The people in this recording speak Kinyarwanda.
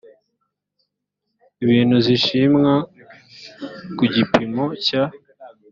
ibintu zishimwa ku gipimo cya